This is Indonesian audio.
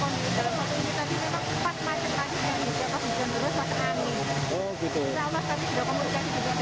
siapa bisa menurut maka angin